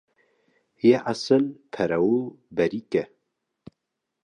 Yê esil pere û berîk e.